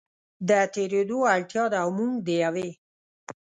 د تېرېدو اړتیا ده او موږ د یوې